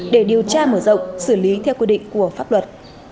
để điều tra mở rộng xử lý theo quy định của pháp luật